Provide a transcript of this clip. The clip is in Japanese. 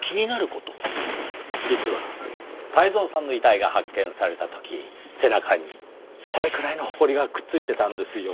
実は泰造さんの遺体が発見された時背中にこれくらいのホコリがくっついてたんですよ。